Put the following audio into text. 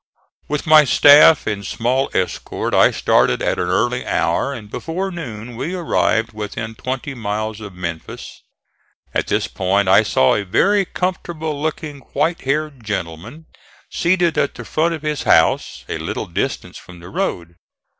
With my staff and small escort I started at an early hour, and before noon we arrived within twenty miles of Memphis. At this point I saw a very comfortable looking white haired gentleman seated at the front of his house, a little distance from the road.